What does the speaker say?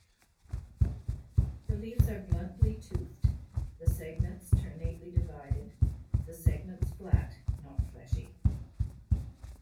The leaves are bluntly toothed, the segments ternately divided the segments flat, not fleshy.